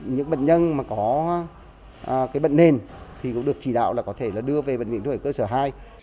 những bệnh nhân mà có bệnh nền thì cũng được chỉ đạo là có thể đưa về bệnh viện trung ương huế cơ sở hai